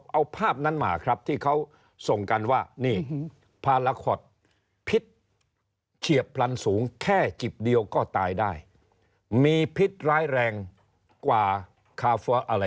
เอาภาพนั้นมาครับที่เขาส่งกันว่านี่พาราคอตพิษเฉียบพลันสูงแค่จิบเดียวก็ตายได้มีพิษร้ายแรงกว่าคาเฟออะไร